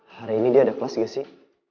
hari ini dia ada kelas gak sih